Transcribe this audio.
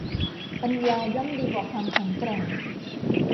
ปัญญาย่อมดีกว่าความแข็งแกร่ง